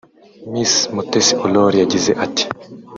Miss Mutesi Aurore yagize ati